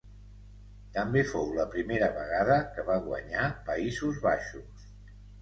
També fou la primera vegada que va guanyar Països Baixos.